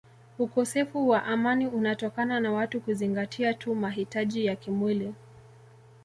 Ukosefu wa amani unatokana na watu kuzingatia tu mahitaji ya kimwili